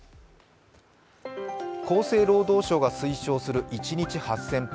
厚生労働省が推奨する一日８０００歩。